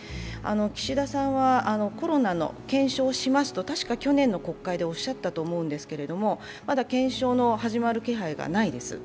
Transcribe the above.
岸田さんはコロナの検証をしますとたしか去年の国会でおっしゃったと思うんですけれども、まだ検証の始まる気配がないです。